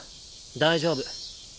大丈夫。